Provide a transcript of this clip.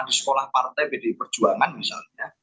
di sekolah partai pdi perjuangan misalnya